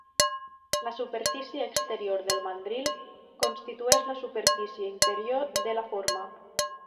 La superfície exterior del mandril constitueix la superfície interior de la forma.